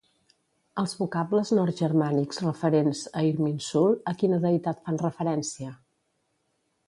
Els vocables nord-germànics referents a Irminsul a quina deïtat fan referència?